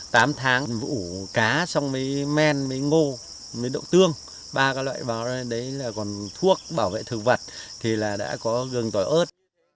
trong tám tháng ủ cá xong với men với ngô với đậu tương ba loại bảo vệ thuốc bảo vệ thực vật thì đã có gừng tỏi ớt